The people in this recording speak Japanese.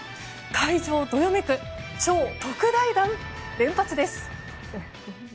会場どよめく超特大弾連発です。